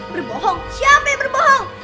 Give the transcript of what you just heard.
berbohong siapa yang berbohong